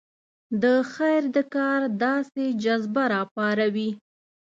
د خیر د کار داسې جذبه راپاروي.